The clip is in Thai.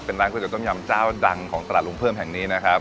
เป็นร้านก๋วต้มยำเจ้าดังของตลาดลุงเพิ่มแห่งนี้นะครับ